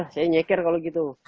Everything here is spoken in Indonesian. saya nyeker kalau gitu